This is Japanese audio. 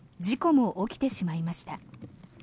事故も起きてしまいました。